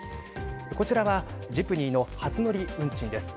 こちらはジプニーの初乗り運賃です。